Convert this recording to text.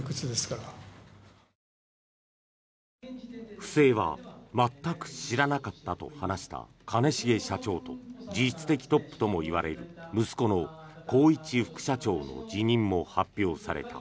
不正は全く知らなかったと話した兼重社長と実質的トップともいわれる息子の宏一副社長の辞任も発表された。